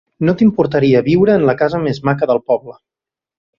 No t'importaria viure en la casa més maca del poble.